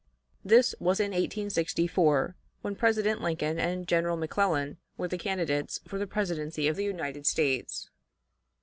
This was in 1864, when President Lincoln and General McClellan were the candidates for the Presidency of the United States.